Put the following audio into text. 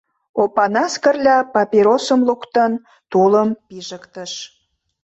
Опанас Кырля, папиросым луктын, тулым пижыктыш.